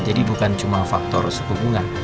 jadi bukan cuma faktor sepubungan